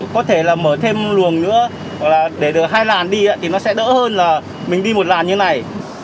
có thể là mở thêm luồng nữa hoặc là để được hai làn đi thì nó sẽ đỡ hơn là mình đi một làn như này